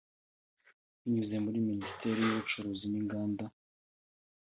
binyuze muri Minisiteri y’Ubucuruzi n’Inganda